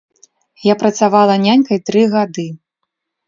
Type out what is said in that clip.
Я працавала нянькай тры гады.